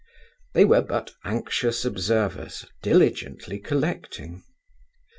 They were but anxious observers, diligently collecting.